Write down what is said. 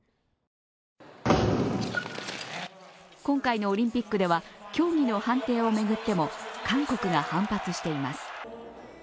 今回のオリンピックでは、競技の判定を巡っても韓国が反発しています。